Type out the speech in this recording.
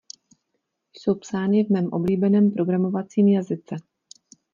Jsou psány v mém oblíbeném programovacím jazyce.